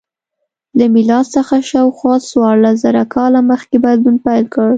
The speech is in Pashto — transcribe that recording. له میلاد څخه شاوخوا څوارلس زره کاله مخکې بدلون پیل کړ.